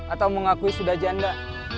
atau mengakui sudah janda